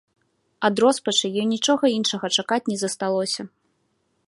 Ад роспачы ёй нічога іншага чакаць не засталося.